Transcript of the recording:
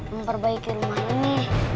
memperbaiki rumah ini